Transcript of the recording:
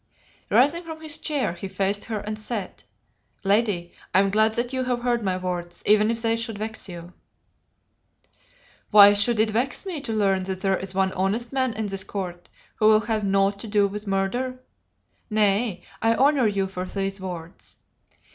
Rising from his chair, he faced her and said "Lady, I am glad that you have heard my words, even if they should vex you." "Why should it vex me to learn that there is one honest man in this court who will have naught to do with murder? Nay, I honour you for those words.